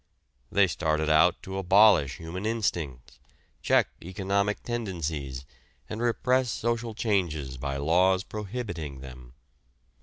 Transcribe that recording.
They started out to abolish human instincts, check economic tendencies and repress social changes by laws prohibiting them.